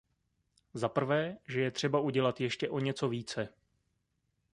Za prvé, že je třeba udělat ještě o něco více.